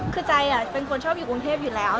คือใจเป็นคนชอบอยู่กรุงเทพอยู่แล้ว